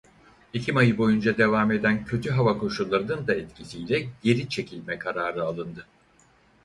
Ekim ayı boyunca devam eden kötü hava koşullarının da etkisiyle geri çekilme kararı alındı.